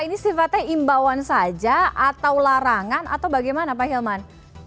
ini sifatnya imbauan saja atau larangan atau bagaimana pak hilman